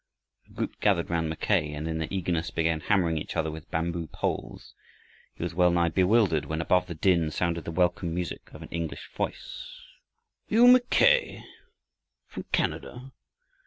A group gathered round Mackay, and in their eagerness began hammering each other with bamboo poles. He was well nigh bewildered, when above the din sounded the welcome music of an English voice. "Are you Mackay from Canada?"